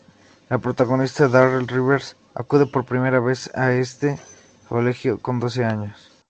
La protagonista, Darrell Rivers, acude por primera vez a este colegio con doce años.